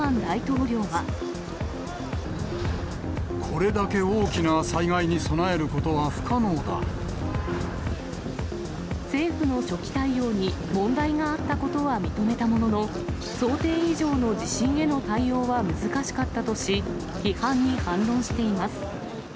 これだけ大きな災害に備える政府の初期対応に問題があったことは認めたものの、想定以上の地震への対応は難しかったとし、批判に反論しています。